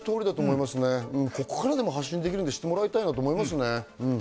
ここからでも発信できるなら、してもらいたいと思いますね。